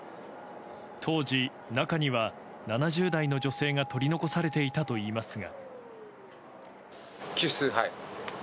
当時、中には７０代の女性が取り残されていたといいますが。